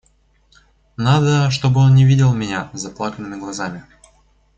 Надо, чтобы он не видел меня с заплаканными глазами.